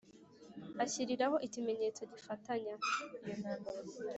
ashyiriraho ikimenyetso gifatanya,